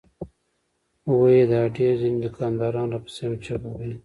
وې ئې " د اډې ځنې دوکانداران راپسې هم چغې وهي